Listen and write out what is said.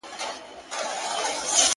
اكثره وخت بيا پر دا بل مخ واوړي,